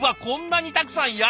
こんなにたくさん！